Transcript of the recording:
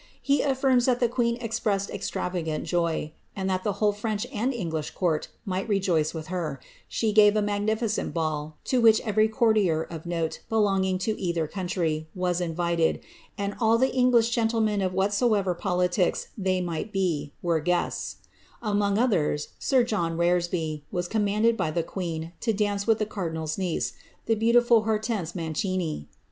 He affirms that the queen expressed extravagant joy ; and that the whole French and English court might lejoice with her, she gave a magnificent ball, to which every courtier of note, belonging to either country, was invited, and all the English gentlemen of whatsoever politics they might be, were guests ; among others, sir John Reresby, was commanded by the queen to dance with ihe cardinal's niece, the beautiful Hortense Mancini.